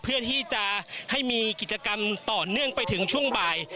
เพื่อที่จะให้มีกิจกรรมต่อเนื่องไปถึงช่วงบ่าย